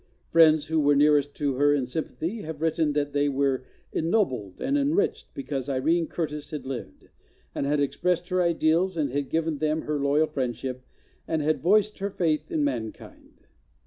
Friends who were nearest to her in sympathy have writ¬ ten that they were ennobled and enriched because Irene Curtis had lived, had expressed her ideals, and had given them of her loyal friendship and had voiced her faith in mankind.